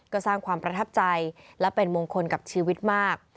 ก็สร้างความประทับใจและเป็นมงคลกับชีวิตมาก